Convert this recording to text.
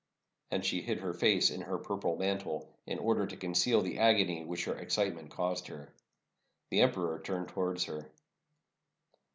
And she hid her face in her purple mantle, in order to conceal the agony which her excitement caused her. The emperor turned towards her.